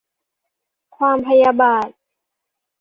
ความพยาบาท